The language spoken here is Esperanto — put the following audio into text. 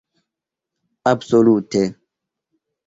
"Absolute."